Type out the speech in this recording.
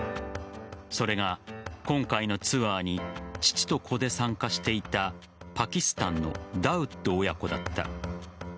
それが、今回のツアーに父と子で参加していたパキスタンのダウッド親子だった。